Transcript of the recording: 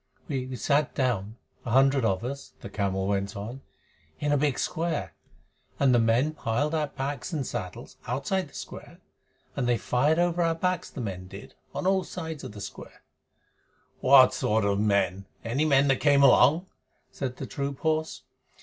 "We sat down a hundred of us," the camel went on, "in a big square, and the men piled our packs and saddles, outside the square, and they fired over our backs, the men did, on all sides of the square." "What sort of men? Any men that came along?" said the troop horse.